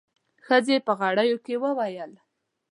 ښځې په غريو کې وويل.